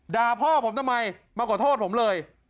ด่าพ่อผมทำไมมาขอโทษผมเลย